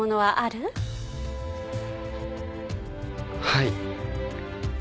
はい。